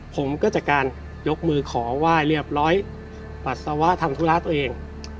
ผมก็จากการยกมือขอไหว้เรียบร้อยปัสสาวะทำธุระตัวเอง